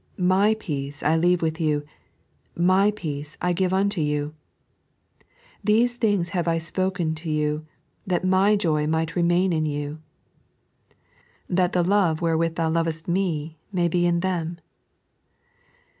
" J/y peace I leave with yon ; My peace I give unto you." " These things have I spoken unto you, that Mj/ joy might remain in you." "That the love wherewith Thoa loveat Me may be in them."